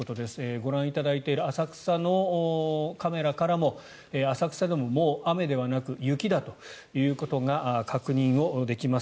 ご覧いただいている浅草のカメラからも浅草でも、もう雨ではなく雪だということが確認できます。